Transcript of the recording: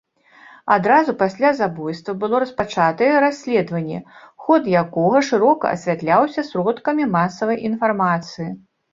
Адразу пасля забойства было распачатае расследаванне, ход якога шырока асвятляўся сродкамі масавай інфармацыі.